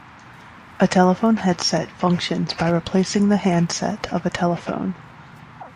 A telephone headset functions by replacing the handset of a telephone.